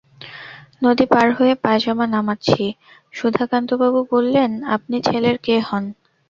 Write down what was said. নদী পার হয়ে পায়জামা নামাচ্ছি, সুধাকান্তবাবু বললেন, আপনি ছেলের কে হন?